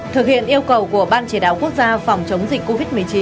thực hiện yêu cầu của ban chỉ đạo quốc gia phòng chống dịch covid một mươi chín